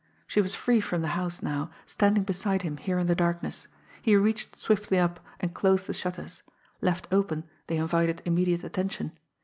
She was free from the house now, standing beside him here in the darkness. He reached swiftly up and closed the shutters left open they invited immediate attention.